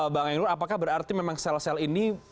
bang endur apakah berarti memang sel sel ini